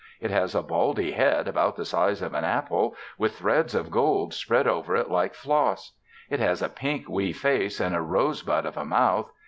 It has a baldy head, about the size of an apple, with threads of gold spread over it like floss. It has a pink, wee face and a rose bud of a mouth.